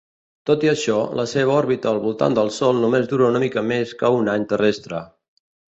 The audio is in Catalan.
Tot i això, la seva òrbita al voltant del Sol només dura una mica més que un any terrestre.